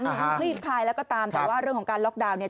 คลี่คลายแล้วก็ตามแต่ว่าเรื่องของการล็อกดาวน์เนี่ย